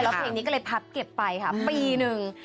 แล้วเพลงนี้ก็เลยพับเก็บไปค่ะปีหนึ่ง